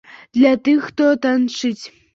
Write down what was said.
Для тых, хто танчыць!